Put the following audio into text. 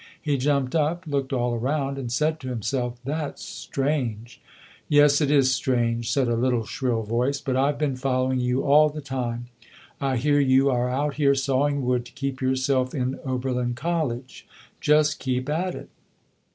He jumped up, looked all around and said to himself, "That's strange!" "Yes, it is strange", said a little shrill voice, "but I've been following you all the time. I hear you are out here sawing wood to keep yourself in Oberlin College. Just keep at it".